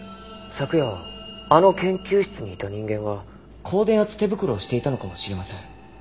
昨夜あの研究室にいた人間は高電圧手袋をしていたのかもしれません。